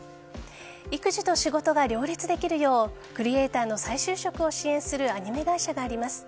育児と仕事と両立できるようクリエイターの再就職を支援するアニメ会社があります。